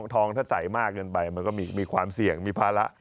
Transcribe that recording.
ทองถ้าใส่มากเกินไปมันก็มีความเสี่ยงมีภาระ